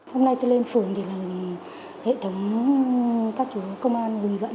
hôm nay tôi lên phường thì là hệ thống các chú công an hướng dẫn